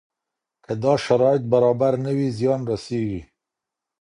که دا شرایط برابر نه وي زیان رسېږي.